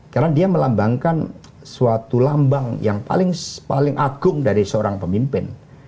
karena dia melambangkan suatu lambang yang paling agung dari seorang pemimpin